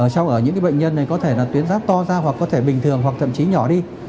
trong những cái bệnh nhân này có thể là tuyến giáp to ra hoặc có thể bình thường hoặc thậm chí nhỏ đi